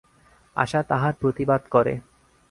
আশা তাহার প্রতিবাদ করে।